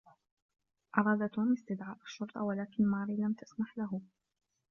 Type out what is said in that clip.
أراد توم استدعاء الشرطة ، ولكن ماري لم تسمح له.